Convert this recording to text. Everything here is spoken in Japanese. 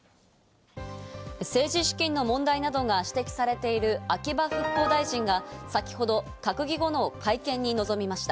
政治資金の問題などが指摘されている秋葉復興大臣が先ほど閣議後の会見に臨みました。